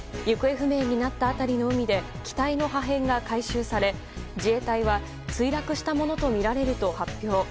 行方不明になった辺りの海で機体の破片が回収され自衛隊は墜落したものとみられると発表。